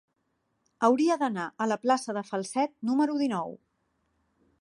Hauria d'anar a la plaça de Falset número dinou.